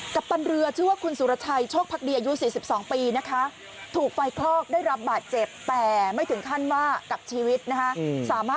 ถูกไฟเคราะห์ได้รับบาดเจ็บแต่ไม่ถึงขั้นมากกับชีวิตนะคะ